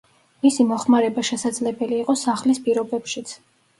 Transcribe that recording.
მისი მოხმარება შესაძლებელი იყო სახლის პირობებშიც.